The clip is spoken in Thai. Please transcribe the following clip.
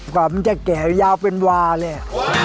กว่ามันจะแก่ยาวเป็นวาเลย